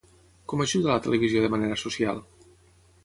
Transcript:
Com ajuda la televisió de manera social?